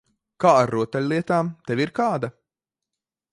Kā ar rotaļlietām? Tev ir kāda?